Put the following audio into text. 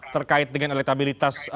terkait dengan elektabilitas